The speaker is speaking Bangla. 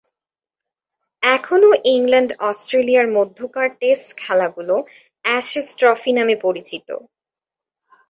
এখনো ইংল্যান্ড-অস্ট্রেলিয়ার মধ্যেকার টেস্ট খেলাগুলো "অ্যাশেজ ট্রফি" নামে পরিচিত।